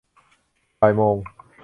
บ่ายโมง